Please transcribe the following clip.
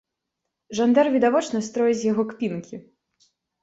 Жандар відавочна строіць з яго кпінкі!